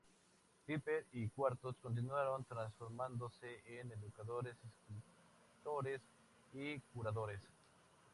Piper y Cuartos continuaron, transformándose en educadores, escritores y curadores.